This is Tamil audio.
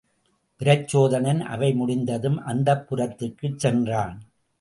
பிரச்சோதனன் அவை முடிந்ததும் அந்தப்புரத்திற்குச் சென்றான்.